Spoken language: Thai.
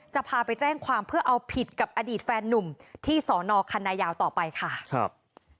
จะพาไปแจ้งความเพื่อเอาผิดกับอดีตแฟนนุ่มที่สอนอคันนายาวต่อไปค่ะครับ